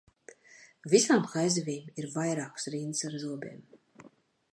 Visām haizivīm ir vairākas rindas ar zobiem.